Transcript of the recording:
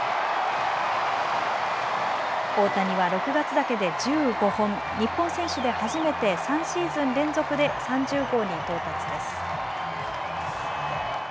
大谷は６月だけで１５本、日本選手で初めて３シーズン連続で３０号に到達です。